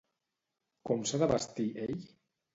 Com s'ha de vestir ell?